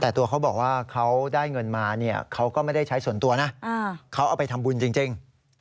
แต่ตัวเขาบอกว่าเขาได้เงินมาเนี่ยเขาก็ไม่ได้ใช้ส่วนตัวนะเขาเอาไปทำบุญจริง